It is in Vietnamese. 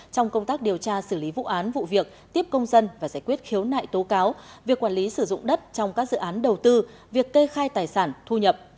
trong công tác điều tra xử lý vụ án vụ việc tiếp công dân và giải quyết khiếu nại tố cáo việc quản lý sử dụng đất trong các dự án đầu tư việc kê khai tài sản thu nhập